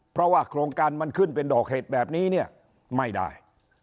เพราะว่าโครงการมันขึ้นเป็นดอกเห็ดแบบนี้เนี่ยไม่ได้